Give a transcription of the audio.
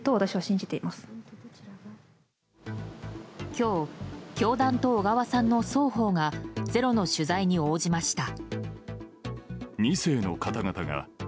今日、教団と小川さんの双方が「ｚｅｒｏ」の取材に応じました。